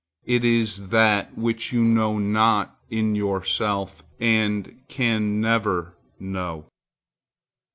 It is that which you know not in yourself and can never know.